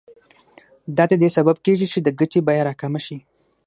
دا د دې سبب کېږي چې د ګټې بیه راکمه شي